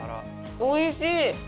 おいしい。